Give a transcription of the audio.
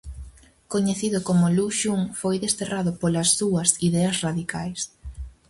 Coñecido como Lu Xun, foi desterrado polas súas ideas radicais.